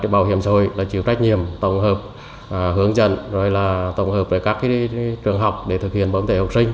bảo hiểm xã hội chịu trách nhiệm tổng hợp hướng dẫn tổng hợp các trường học để thực hiện bổng thể học sinh